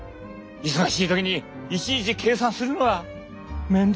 忙しい時にいちいち計算するのは面倒